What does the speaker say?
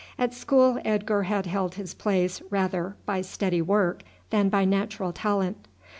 At school Edgar had held his place rather by steady work than by natural talent.